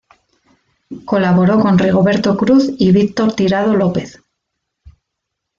Colaboró con Rigoberto Cruz y Víctor Tirado López.